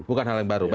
bukan hal yang baru